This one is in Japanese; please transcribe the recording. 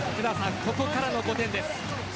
ここからの５点です。